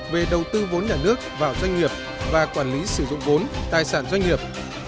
về đầu tư vốn nhà nước vào doanh nghiệp và quản lý sử dụng vốn tài sản doanh nghiệp